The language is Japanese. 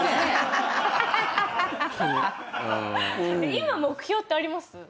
今目標ってあります？